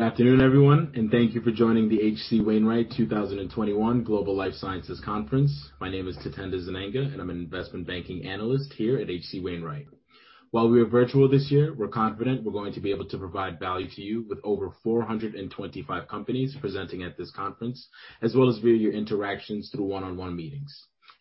Afternoon, everyone, thank you for joining the H.C. Wainwright 2021 Global Life Sciences Conference. My name is Tatenda Zenenga, and I'm an investment banking analyst here at H.C. Wainwright. While we are virtual this year, we're confident we're going to be able to provide value to you with over 425 companies presenting at this conference, as well as via your interactions through one-on-one meetings.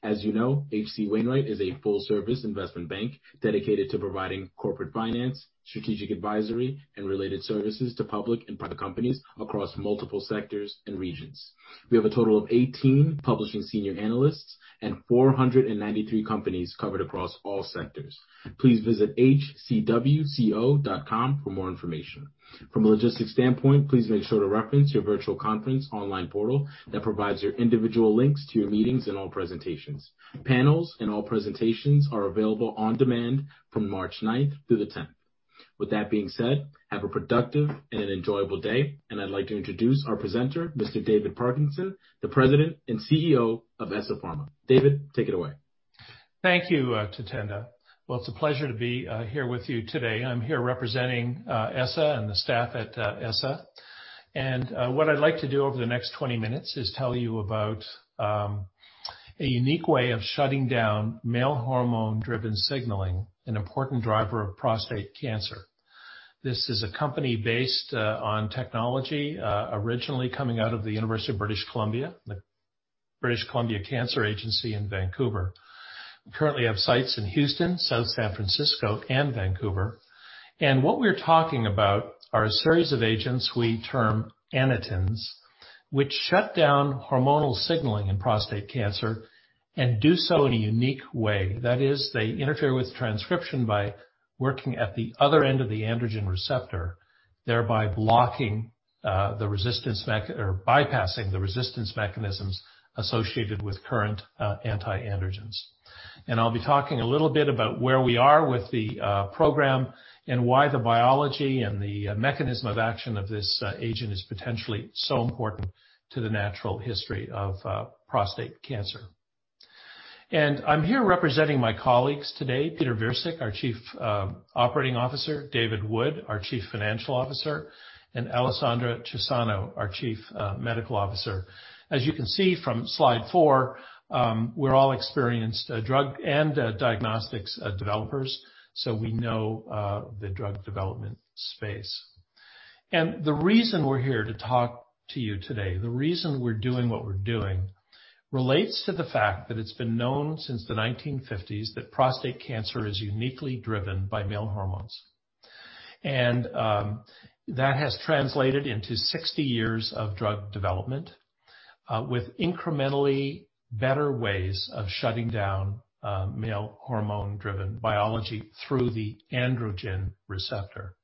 As you know, H.C. Wainwright is a full-service investment bank dedicated to providing corporate finance, strategic advisory, and related services to public and private companies across multiple sectors and regions. We have a total of 18 publishing senior analysts and 493 companies covered across all sectors. Please visit hcwco.com for more information. From a logistics standpoint, please make sure to reference your virtual conference online portal that provides your individual links to your meetings and all presentations. Panels and all presentations are available on demand from March 9th through the 10th. With that being said, have a productive and an enjoyable day, and I'd like to introduce our presenter, Mr. David Parkinson, the President and CEO of ESSA Pharma. David, take it away. Thank you, Tatenda. Well, it's a pleasure to be here with you today. I'm here representing ESSA and the staff at ESSA. What I'd like to do over the next 20 minutes is tell you about a unique way of shutting down male hormone-driven signaling, an important driver of prostate cancer. This is a company based on technology originally coming out of the University of British Columbia, the British Columbia Cancer Agency in Vancouver. We currently have sites in Houston, South San Francisco, and Vancouver. What we're talking about are a series of agents we term anitens, which shut down hormonal signaling in prostate cancer and do so in a unique way. That is, they interfere with transcription by working at the other end of the androgen receptor, thereby bypassing the resistance mechanisms associated with current anti-androgens. I'll be talking a little bit about where we are with the program and why the biology and the mechanism of action of this agent is potentially so important to the natural history of prostate cancer. I'm here representing my colleagues today, Peter Virsik, our Chief Operating Officer, David Wood, our Chief Financial Officer, and Alessandra Cesano, our Chief Medical Officer. As you can see from slide four, we're all experienced drug and diagnostics developers, so we know the drug development space. The reason we're here to talk to you today, the reason we're doing what we're doing, relates to the fact that it's been known since the 1950s that prostate cancer is uniquely driven by male hormones. That has translated into 60 years of drug development, with incrementally better ways of shutting down male hormone-driven biology through the androgen receptor.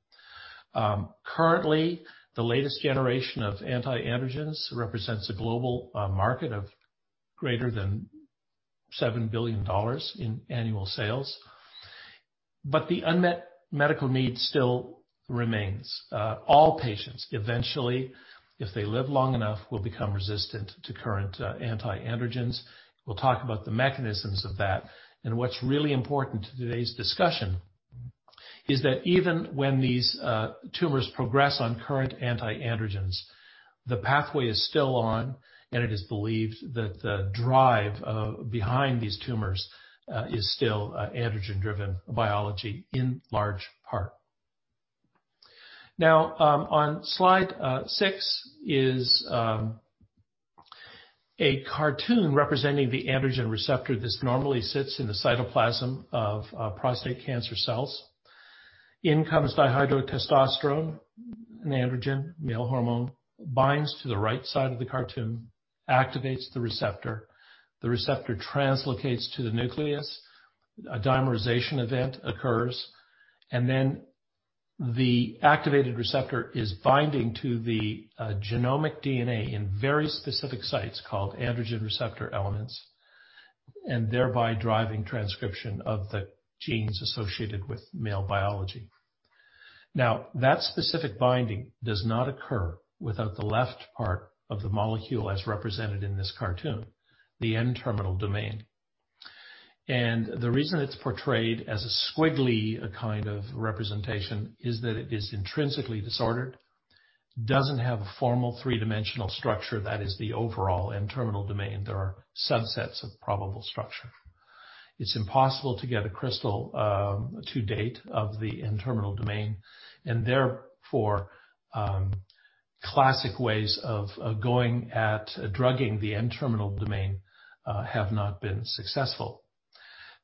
Currently, the latest generation of anti-androgens represents a global market of greater than $7 billion in annual sales. The unmet medical need still remains. All patients, eventually, if they live long enough, will become resistant to current anti-androgens. We'll talk about the mechanisms of that and what's really important to today's discussion is that even when these tumors progress on current anti-androgens, the pathway is still on, and it is believed that the drive behind these tumors is still androgen-driven biology in large part. On slide six is a cartoon representing the androgen receptor. This normally sits in the cytoplasm of prostate cancer cells. In comes dihydrotestosterone, an androgen, male hormone, binds to the right side of the cartoon, activates the receptor. The receptor translocates to the nucleus, a dimerization event occurs, and then the activated receptor is binding to the genomic DNA in very specific sites called androgen receptor elements, and thereby driving transcription of the genes associated with male biology. Now, that specific binding does not occur without the left part of the molecule as represented in this cartoon, the N-terminal domain. The reason it's portrayed as a squiggly kind of representation is that it is intrinsically disordered, doesn't have a formal three-dimensional structure, that is the overall N-terminal domain, there are subsets of probable structure. It's impossible to get a crystal to date of the N-terminal domain, and therefore, classic ways of going at drugging the N-terminal domain have not been successful.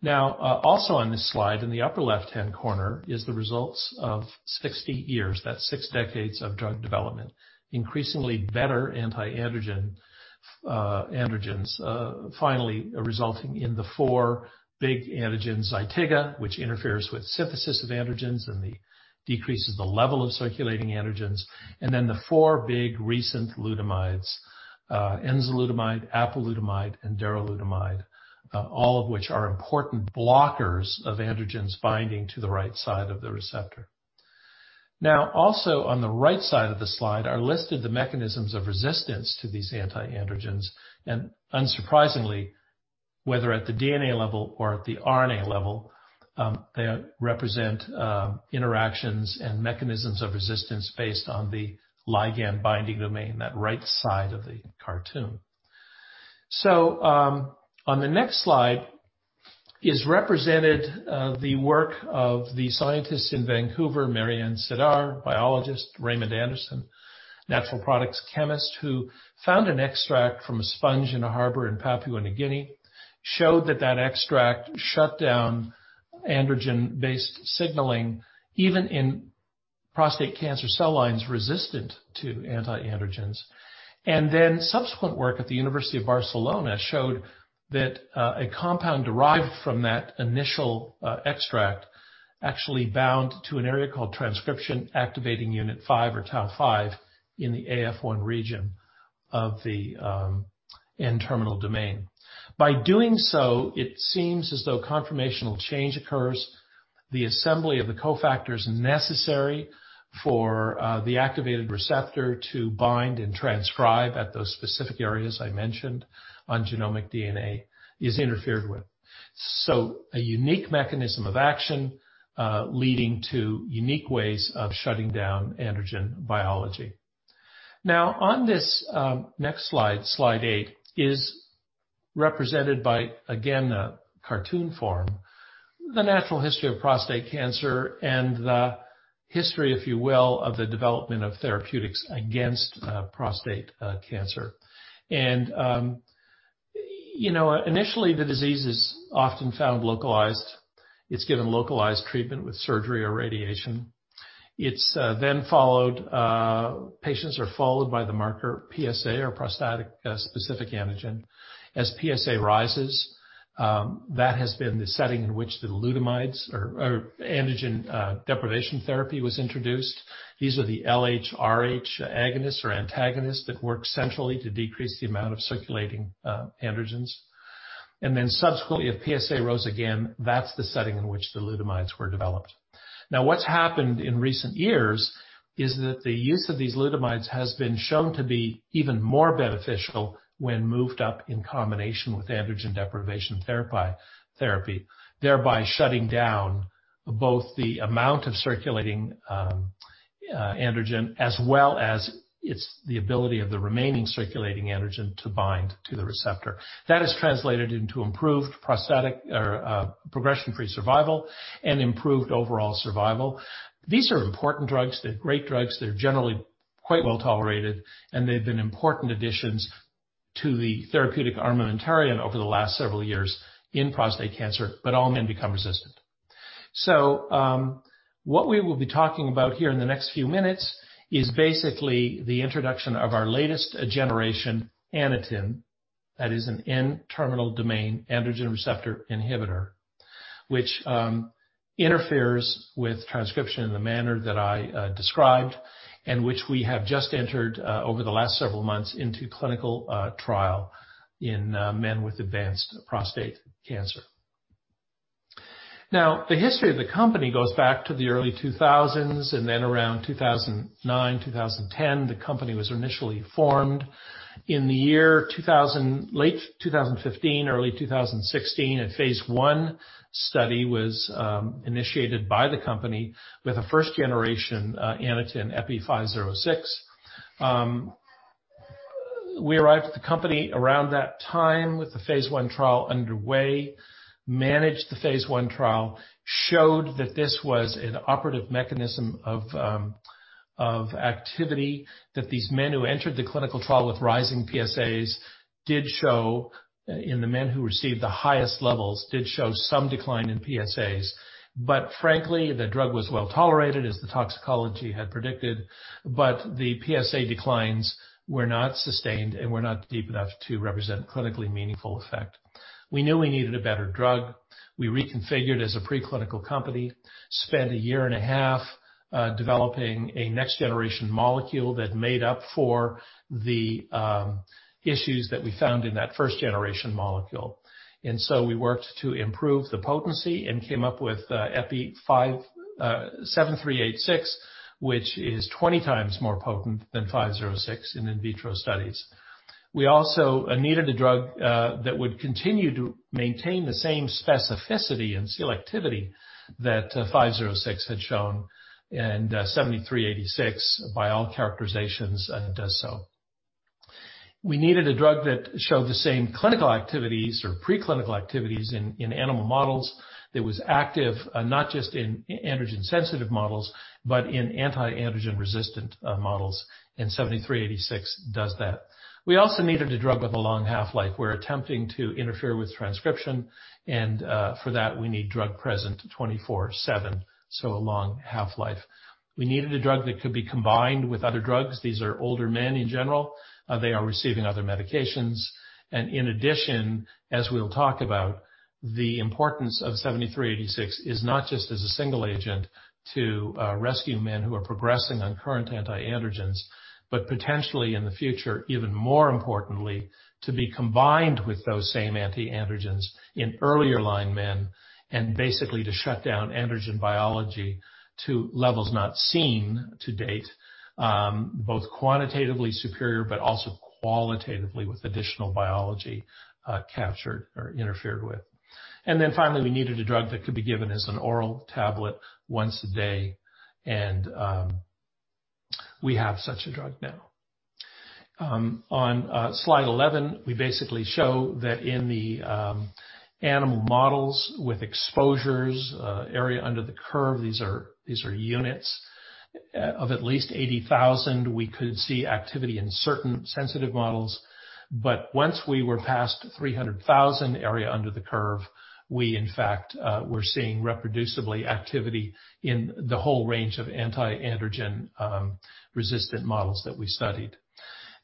Also on this slide in the upper left-hand corner is the results of 60 years. That's six decades of drug development, increasingly better antiandrogens, finally resulting in the four big androgens. ZYTIGA, which interferes with synthesis of androgens and decreases the level of circulating androgens, the four big recent lutamides, enzalutamide, apalutamide, and darolutamide, all of which are important blockers of androgens binding to the right side of the receptor. Also on the right side of the slide are listed the mechanisms of resistance to these antiandrogens, unsurprisingly, whether at the DNA level or at the RNA level, they represent interactions and mechanisms of resistance based on the ligand-binding domain, that right side of the cartoon. On the next slide is represented the work of the scientists in Vancouver, Marianne Sadar, biologist, Raymond Andersen, natural products chemist, who found an extract from a sponge in a harbor in Papua New Guinea, showed that that extract shut down androgen-based signaling, even in prostate cancer cell lines resistant to anti-androgens. Subsequent work at the University of Barcelona showed that a compound derived from that initial extract actually bound to an area called transcription activating Unit 5 or TAU5 in the AF1 region of the N-terminal domain. By doing so, it seems as though conformational change occurs. The assembly of the cofactors necessary for the activated receptor to bind and transcribe at those specific areas I mentioned on genomic DNA is interfered with. A unique mechanism of action leading to unique ways of shutting down androgen biology. On this next slide eight, is represented by, again, a cartoon form, the natural history of prostate cancer and the history, if you will, of the development of therapeutics against prostate cancer. Initially, the disease is often found localized. It's given localized treatment with surgery or radiation. Patients are followed by the marker PSA or prostatic-specific antigen. As PSA rises, that has been the setting in which the lutamides or androgen deprivation therapy was introduced. These are the LHRH agonists or antagonists that work centrally to decrease the amount of circulating androgens. Subsequently, if PSA rose again, that's the setting in which the lutamides were developed. What's happened in recent years is that the use of these lutamides has been shown to be even more beneficial when moved up in combination with androgen deprivation therapy, thereby shutting down both the amount of circulating androgen as well as the ability of the remaining circulating androgen to bind to the receptor. That has translated into improved prostatic or progression-free survival and improved overall survival. These are important drugs. They're great drugs. They're generally quite well-tolerated, and they've been important additions to the therapeutic armamentarium over the last several years in prostate cancer, but all men become resistant. What we will be talking about here in the next few minutes is basically the introduction of our latest generation aniten. That is an N-terminal domain androgen receptor inhibitor, which interferes with transcription in the manner that I described and which we have just entered over the last several months into clinical trial in men with advanced prostate cancer. The history of the company goes back to the early 2000s, and then around 2009, 2010, the company was initially formed. In the year late 2015, early 2016, a phase I study was initiated by the company with a first generation aniten, EPI-506. We arrived at the company around that time with the phase I trial underway, managed the phase I trial, showed that this was an operative mechanism of activity, that these men who entered the clinical trial with rising PSAs did show, in the men who received the highest levels, did show some decline in PSAs. Frankly, the drug was well-tolerated as the toxicology had predicted, the PSA declines were not sustained and were not deep enough to represent clinically meaningful effect. We knew we needed a better drug. We reconfigured as a preclinical company, spent a year and a half developing a next generation molecule that made up for the issues that we found in that first generation molecule. We worked to improve the potency and came up with EPI-7386, which is 20 times more potent than EPI-506 in in vitro studies. We also needed a drug that would continue to maintain the same specificity and selectivity that EPI-506 had shown, EPI-7386, by all characterizations, does so. We needed a drug that showed the same clinical activities or preclinical activities in animal models that was active not just in androgen-sensitive models, but in anti-androgen resistant models, and EPI-7386 does that. We also needed a drug with a long half-life. We're attempting to interfere with transcription, and for that, we need drug present 24/7, so a long half-life. We needed a drug that could be combined with other drugs. These are older men in general. They are receiving other medications. In addition, as we'll talk about, the importance of EPI-7386 is not just as a single agent to rescue men who are progressing on current anti-androgens, but potentially in the future, even more importantly, to be combined with those same anti-androgens in earlier line men, and basically to shut down androgen biology to levels not seen to date, both quantitatively superior but also qualitatively with additional biology captured or interfered with. Finally, we needed a drug that could be given as an oral tablet once a day. We have such a drug now. On slide 11, we basically show that in the animal models with exposures, area under the curve, these are units of at least 80,000, we could see activity in certain sensitive models. Once we were past 300,000 area under the curve, we in fact were seeing reproducibly activity in the whole range of antiandrogen resistant models that we studied.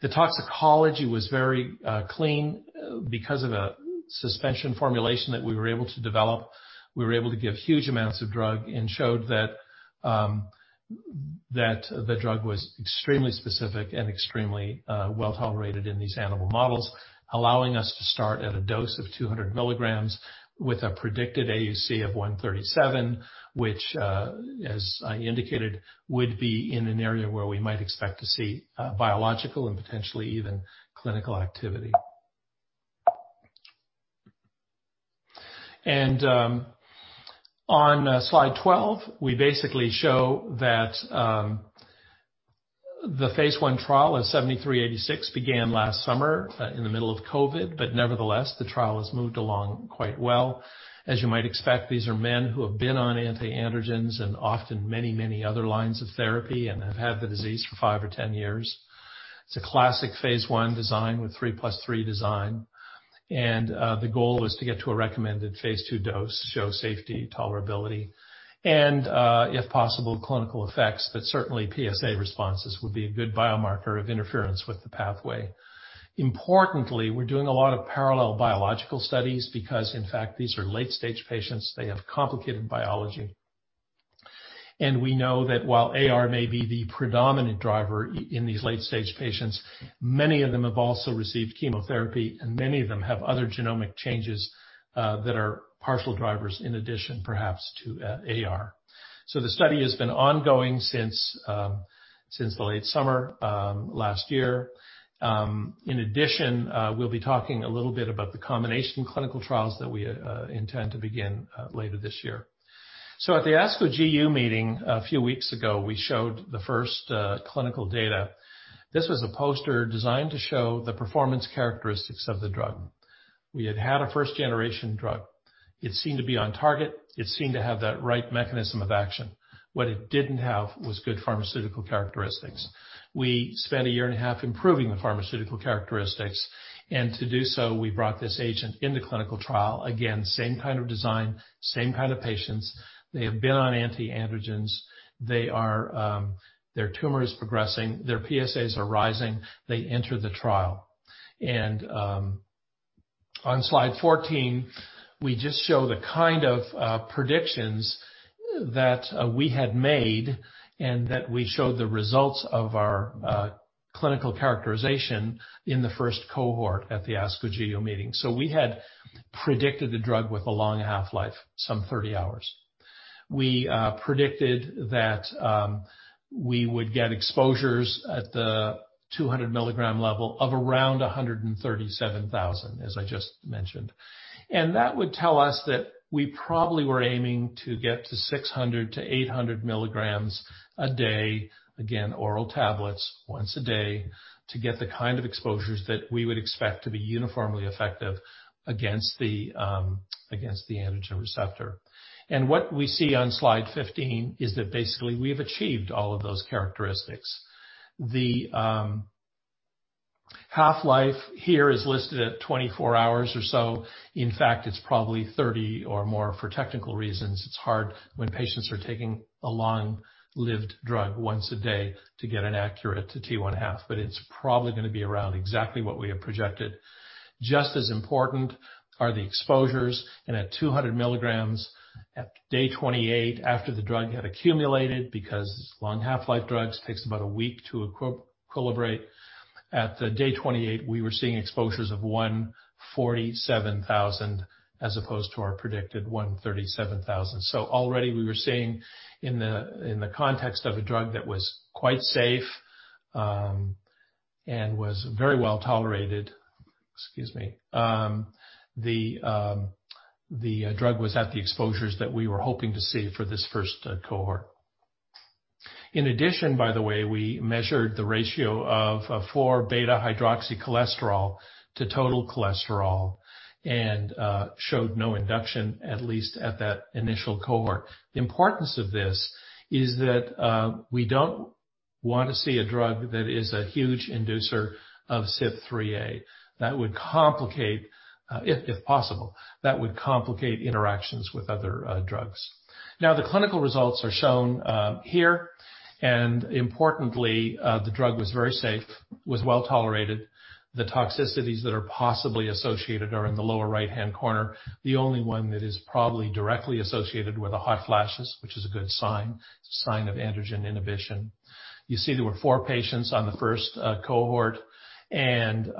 The toxicology was very clean because of a suspension formulation that we were able to develop. We were able to give huge amounts of drug and showed that the drug was extremely specific and extremely well-tolerated in these animal models, allowing us to start at a dose of 200 mg with a predicted AUC of 137, which, as I indicated, would be in an area where we might expect to see biological and potentially even clinical activity. On slide 12, we basically show that the phase I trial of EPI-7386 began last summer in the middle of COVID, but nevertheless, the trial has moved along quite well. As you might expect, these are men who have been on antiandrogens and often many other lines of therapy and have had the disease for five or 10 years. It's a classic phase I design with 3 + 3 design. The goal was to get to a recommended phase II dose, show safety, tolerability, and, if possible, clinical effects, but certainly PSA responses would be a good biomarker of interference with the pathway. Importantly, we're doing a lot of parallel biological studies because, in fact, these are late-stage patients. They have complicated biology. We know that while AR may be the predominant driver in these late-stage patients, many of them have also received chemotherapy, and many of them have other genomic changes that are partial drivers in addition perhaps to AR. The study has been ongoing since the late summer last year. We'll be talking a little bit about the combination clinical trials that we intend to begin later this year. At the ASCO GU meeting a few weeks ago, we showed the first clinical data. This was a poster designed to show the performance characteristics of the drug. We had had a first-generation drug. It seemed to be on target. It seemed to have that right mechanism of action. What it didn't have was good pharmaceutical characteristics. We spent a year and a half improving the pharmaceutical characteristics, and to do so, we brought this agent into clinical trial. Again, same kind of design, same kind of patients. They have been on antiandrogens. Their tumor is progressing. Their PSAs are rising. They enter the trial. On slide 14, we just show the kind of predictions that we had made and that we showed the results of our clinical characterization in the first cohort at the ASCO GU meeting. We had predicted the drug with a long half-life, some 30 hours. We predicted that we would get exposures at the 200 mg level of around 137,000, as I just mentioned. That would tell us that we probably were aiming to get to 600 mg to 800 mg a day, again, oral tablets once a day, to get the kind of exposures that we would expect to be uniformly effective against the androgen receptor. What we see on slide 15 is that basically we have achieved all of those characteristics. The half-life here is listed at 24 hours or so. In fact, it's probably 30 or more for technical reasons. It's hard when patients are taking a long-lived drug once a day to get an accurate T one half, but it's probably going to be around exactly what we have projected. Just as important are the exposures, and at 200 mg at day 28 after the drug had accumulated, because long half-life drugs takes about a week to equilibrate. At the day 28, we were seeing exposures of 147,000 as opposed to our predicted 137,000. Already we were seeing in the context of a drug that was quite safe and was very well tolerated. Excuse me. The drug was at the exposures that we were hoping to see for this first cohort. In addition, by the way, we measured the ratio of 4β-hydroxycholesterol to total cholesterol and showed no induction, at least at that initial cohort. The importance of this is that we don't want to see a drug that is a huge inducer of CYP3A. That would complicate interactions with other drugs. The clinical results are shown here, and importantly, the drug was very safe, was well tolerated. The toxicities that are possibly associated are in the lower right-hand corner. The only one that is probably directly associated were the hot flashes, which is a good sign of androgen inhibition. There were four patients on the first cohort and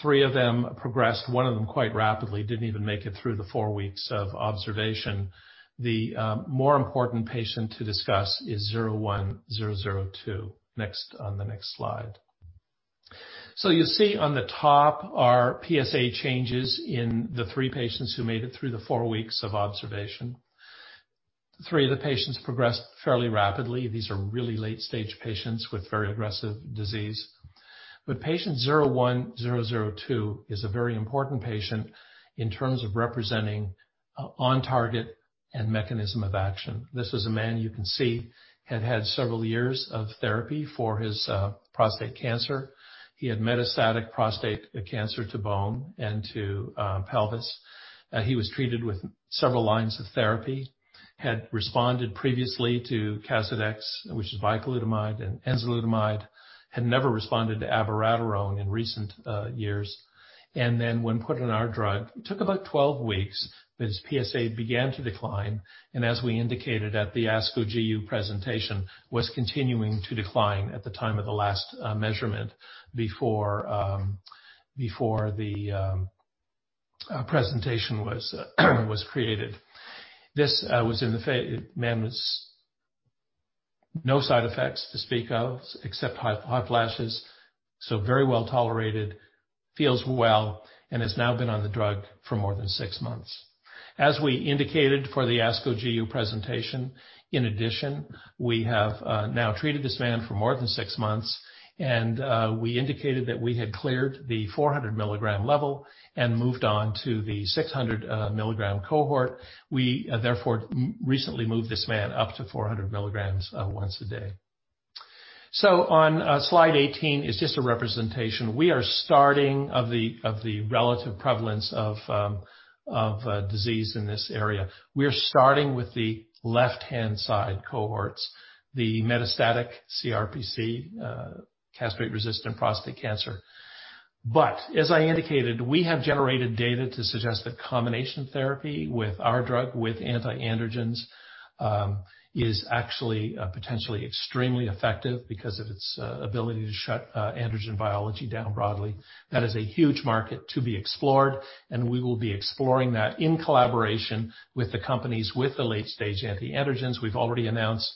three of them progressed, one of them quite rapidly, didn't even make it through the four weeks of observation. The more important patient to discuss is 01002 on the next slide. On the top are PSA changes in the three patients who made it through the four weeks of observation. Three of the patients progressed fairly rapidly. These are really late-stage patients with very aggressive disease. Patient 01002 is a very important patient in terms of representing on-target and mechanism of action. This is a man you can see had several years of therapy for his prostate cancer. He had metastatic prostate cancer to bone and to pelvis. He was treated with several lines of therapy, had responded previously to Casodex, which is bicalutamide and enzalutamide, had never responded to abiraterone in recent years. When put on our drug, it took about 12 weeks, but his PSA began to decline, and as we indicated at the ASCO GU presentation, was continuing to decline at the time of the last measurement before the presentation was created. The man has no side effects to speak of except hot flashes, so very well tolerated, feels well, and has now been on the drug for more than six months. As we indicated for the ASCO GU presentation, in addition, we have now treated this man for more than six months, and we indicated that we had cleared the 400 mg level and moved on to the 600 mg cohort. We therefore recently moved this man up to 400 mg once a day. On slide 18 is just a representation. We are starting of the relative prevalence of disease in this area. We are starting with the left-hand side cohorts, the metastatic CRPC, castration-resistant prostate cancer. As I indicated, we have generated data to suggest that combination therapy with our drug with anti-androgens is actually potentially extremely effective because of its ability to shut androgen biology down broadly. That is a huge market to be explored. We will be exploring that in collaboration with the companies with the late-stage antiandrogens. We've already announced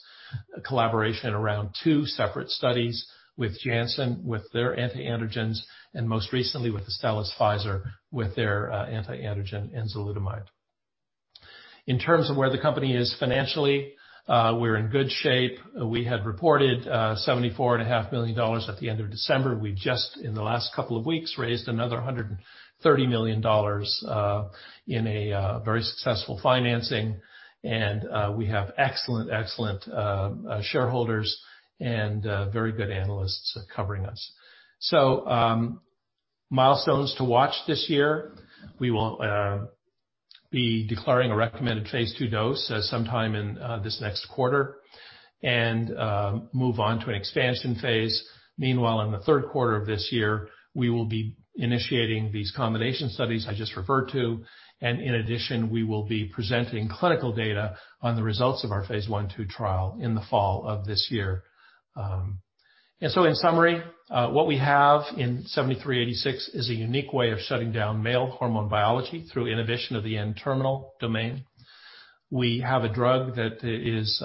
a collaboration around two separate studies with Janssen, with their antiandrogens, and most recently with Astellas/Pfizer with their antiandrogen enzalutamide. In terms of where the company is financially, we're in good shape. We had reported $74.5 million at the end of December. We just, in the last couple of weeks, raised another $130 million in a very successful financing, and we have excellent shareholders and very good analysts covering us. Milestones to watch this year. We will be declaring a recommended phase II dose sometime in this next quarter and move on to an expansion phase. Meanwhile, in the third quarter of this year, we will be initiating these combination studies I just referred to. In addition, we will be presenting clinical data on the results of our phase I/II trial in the fall of this year. In summary, what we have in EPI-7386 is a unique way of shutting down male hormone biology through inhibition of the N-terminal domain. We have a drug that is,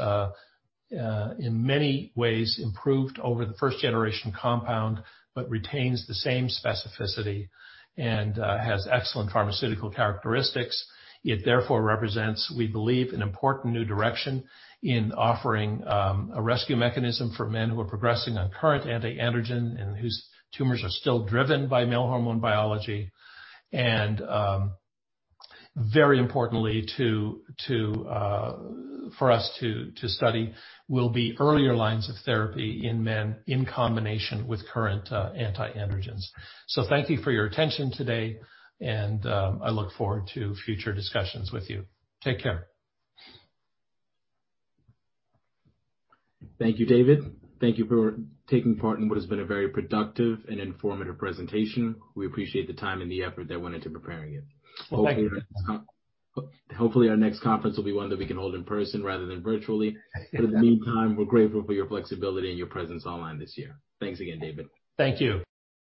in many ways, improved over the first-generation compound but retains the same specificity and has excellent pharmaceutical characteristics. It therefore represents, we believe, an important new direction in offering a rescue mechanism for men who are progressing on current anti-androgen and whose tumors are still driven by male hormone biology. Very importantly for us to study will be earlier lines of therapy in men in combination with current anti-androgens. Thank you for your attention today, and I look forward to future discussions with you. Take care. Thank you, David. Thank you for taking part in what has been a very productive and informative presentation. We appreciate the time and the effort that went into preparing it. Well, thank you. Hopefully our next conference will be one that we can hold in-person rather than virtually. In the meantime, we're grateful for your flexibility and your presence online this year. Thanks again, David. Thank you.